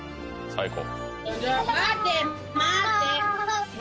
最高。